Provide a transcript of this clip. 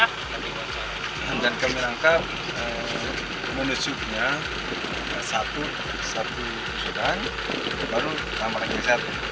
hancar kami rangkap menesupnya satu satu kesudahan baru tambah lagi satu